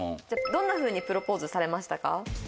どんなふうにプロポーズされましたか？